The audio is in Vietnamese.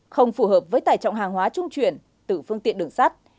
không phù hợp với tải trọng hàng hóa trung chuyển từ phương tiện đường sắt